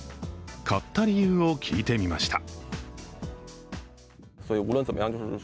買った理由を聞いてみました。